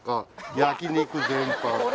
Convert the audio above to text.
焼肉全般